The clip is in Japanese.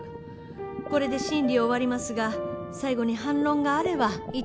これで審理を終わりますが最後に反論があれば言ってちょうだい。